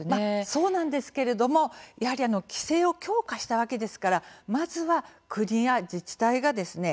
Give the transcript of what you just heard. そうなんですけれども規制を強化したわけですからまずは、国や自治体がですね